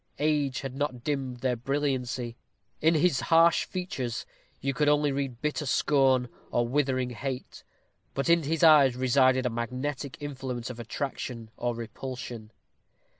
Age had not dimmed their brilliancy. In his harsh features you could only read bitter scorn or withering hate; but in his eyes resided a magnetic influence of attraction or repulsion.